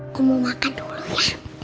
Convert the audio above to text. aku mau makan dulu ya